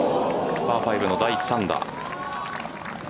パー５の第３打。